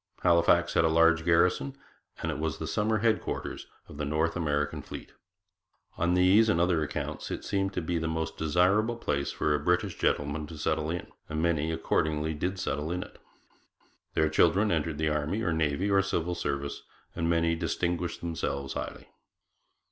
Halifax had a large garrison, and it was the summer headquarters of the North American fleet. On these and other accounts it seemed to be the most desirable place for a British gentleman to settle in, and many accordingly did settle in it. Their children entered the Army or Navy or Civil Service, and many distinguished themselves highly.